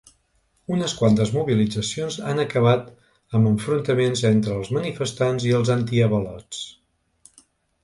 Unes quantes mobilitzacions han acabat amb enfrontaments entre els manifestants i els antiavalots.